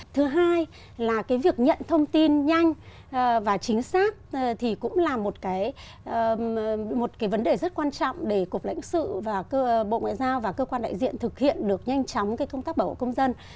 thứ hai là cái việc nhận thông tin nhanh và chính xác thì cũng là một cái vấn đề rất quan trọng để cục lãnh sự và bộ ngoại giao và cơ quan đại diện thực hiện được nhanh chóng cái công tác bảo hộ công dân